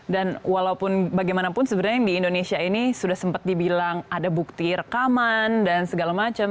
dan walaupun bagaimanapun sebenarnya di indonesia ini sudah sempat dibilang ada bukti rekaman dan segala macam